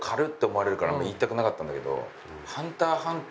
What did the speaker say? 思われるからあんまり言いたくなかったんだけど。